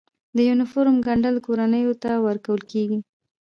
د یونیفورم ګنډل کورنیو ته ورکول کیږي؟